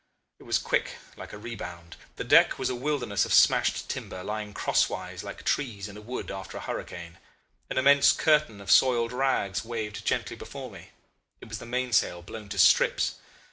It was quick like a rebound. The deck was a wilderness of smashed timber, lying crosswise like trees in a wood after a hurricane; an immense curtain of soiled rags waved gently before me it was the mainsail blown to strips.